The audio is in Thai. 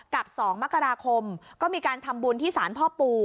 กับ๒มกราคมก็มีการทำบุญที่ศาลพ่อปู่